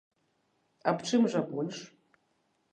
Аб чым жа больш?